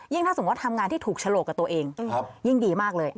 ถ้าสมมุติทำงานที่ถูกฉลกกับตัวเองยิ่งดีมากเลย